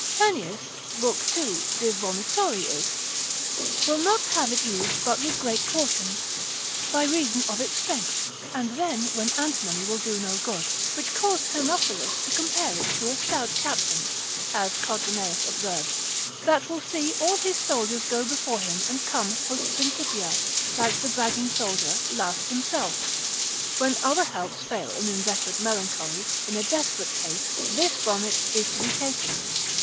Hernius, lib. 2. prax. med. de vomitoriis, will not have it used but with great caution, by reason of its strength, and then when antimony will do no good, which caused Hermophilus to compare it to a stout captain (as Codroneus observes cap. 7. comment. de Helleb.) that will see all his soldiers go before him and come post principia, like the bragging soldier, last himself; when other helps fail in inveterate melancholy, in a desperate case, this vomit is to be taken.